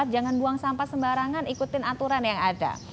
jangan buang sampah sembarangan ikutin aturan yang ada